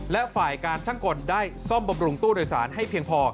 และฝ่ายการช่างกลได้ซ่อมบำรุงตู้โดยสารให้เพียงพอ